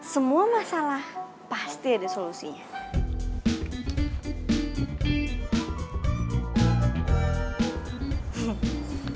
semua masalah pasti ada solusinya